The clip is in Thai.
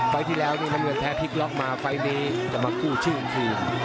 ไฟล์ที่แล้วนี่น้ำเงินแท้พลิกล้องมาไฟล์นี้จะมาคู่ชื่องคืน